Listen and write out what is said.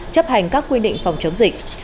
chấp hành các quy định phòng chống dịch